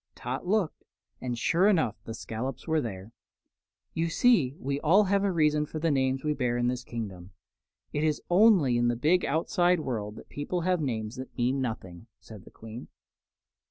Tot looked, and sure enough the scollops were there. "You see we always have a reason for the names we bear in this kingdom. It is only in the big outside world that people have names that mean nothing," said the Queen.